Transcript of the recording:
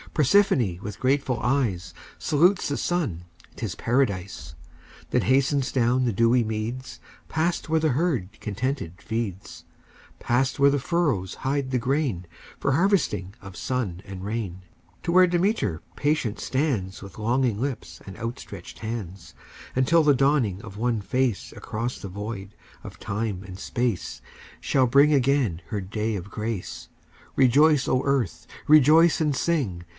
Persephone with grateful eyes Salutes the Sun—'tis Paradise: Then hastens down the dewy meads, Past where the herd contented feeds, Past where the furrows hide the grain, For harvesting of sun and rain; To where Demeter patient stands With longing lips and outstretched hands, Until the dawning of one face Across the void of time and space Shall bring again her day of grace. Rejoice, O Earth! Rejoice and sing!